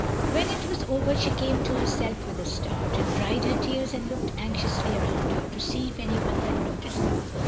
When it was over, she came to herself with a start, and dried her tears, and looked anxiously arotmd her, to see if any one had noticed them.